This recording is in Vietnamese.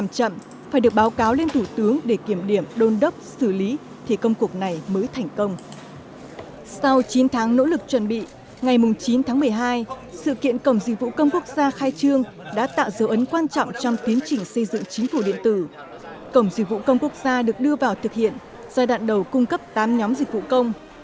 cổng dịch vụ công quốc gia được đưa vào thực hiện giai đoạn đầu cung cấp tám nhóm dịch vụ công